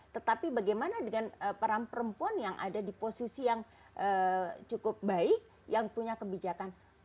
tetapi bagaimana dengan peran perempuan yang ada di posisi yang cukup baik yang punya kebijakan